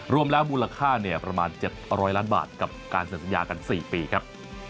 รวมแล้วมูลค่าประมาณ๗๐๐ล้านบาทกับการเสร็จสัญญากัน๔ปีครับ